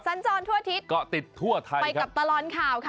สันจรทั่วอาทิตย์ก็ติดทั่วไทยครับ